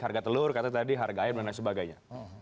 harga telur kata tadi harga air dan lain sebagainya